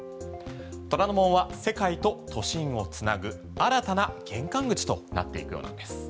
虎ノ門は世界と都心を繋ぐ新たな玄関口となっていくようなんです。